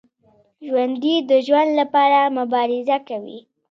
ژوندي د ژوند لپاره مبارزه کوي